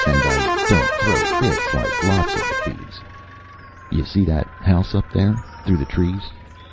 And I don't throw fits like lots of the feebs. You see that house up there through the trees.